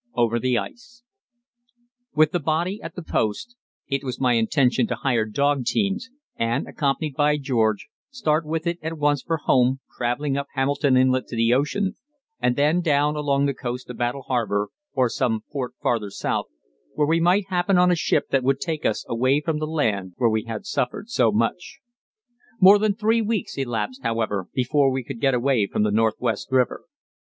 OVER THE ICE With the body at the post, it was my intention to hire dog teams, and, accompanied by George, start with it at once for home, travelling up Hamilton Inlet to the ocean, and then down along the coast to Battle Harbour, or some port farther south, where we might happen on a ship that would take us away from the land where we had suffered so much. More than three weeks elapsed, however, before we could get away from the Northwest River.